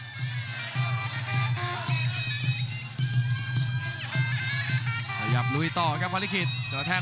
ขวางเอาไว้ครับฝันด้วยศอกซ้ายขวางเอาไว้ครับ